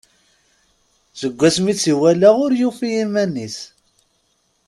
Seg wasmi i tt-iwala ur yufi iman-is.